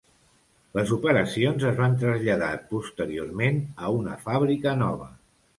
Les operacions es van traslladar posteriorment a una fàbrica nova.